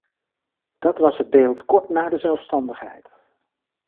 Dat was het beeld kort na de zelfstandigheid.